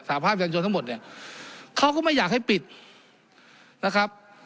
ภาพยันชนทั้งหมดเนี่ยเขาก็ไม่อยากให้ปิดนะครับ